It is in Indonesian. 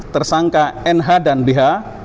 tersangka nh dan bh